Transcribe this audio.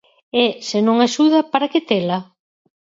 E, se non axuda, para que tela?